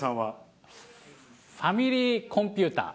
ファミリーコンピュータ。